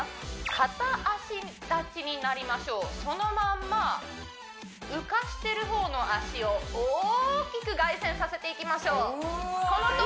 片脚立ちになりましょうそのまんま浮かしてる方の脚を大きく外旋させていきましょううわマジ？